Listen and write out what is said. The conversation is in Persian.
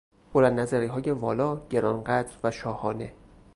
بلندنظریهای والا، گرانقدر و شاهانه